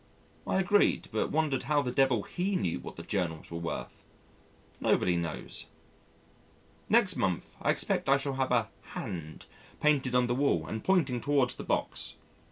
I agreed but wondered how the devil he knew what the Journals were worth nobody knows. Next month, I expect I shall have a "hand" painted on the wall and pointing towards the box.